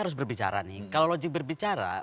harus berbicara nih kalau logik berbicara